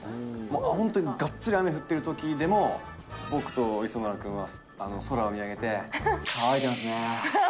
本当にがっつり雨降ってるときでも、僕と磯村君は空を見上げて、かわいてますね。